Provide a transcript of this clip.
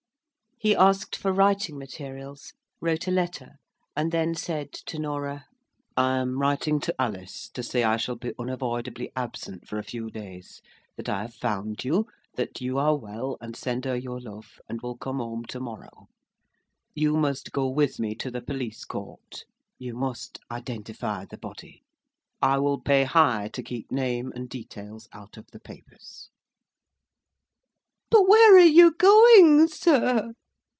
He asked for writing materials, wrote a letter, and then said to Norah: "I am writing to Alice, to say I shall be unavoidably absent for a few days; that I have found you; that you are well, and send her your love, and will come home to morrow. You must go with me to the Police Court; you must identify the body: I will pay high to keep name and details out of the papers." "But where are you going, sir?"